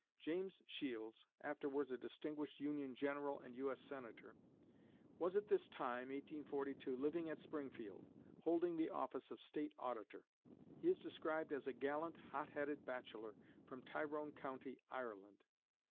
James Shields (afterwards a distinguished Union General and U.S. Senator) was at this time (1842) living at Springfield, holding the office of State Auditor. He is described as "a gallant, hot headed bachelor, from Tyrone County, Ireland."